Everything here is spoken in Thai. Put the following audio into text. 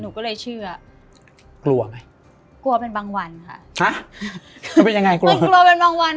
หนูก็เลยเชื่อกลัวไหมกลัวเป็นบางวันค่ะฮะคือเป็นยังไงกลัวมันกลัวเป็นบางวัน